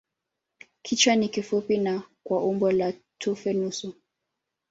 Kichwa ni kifupi na kwa umbo la tufe nusu.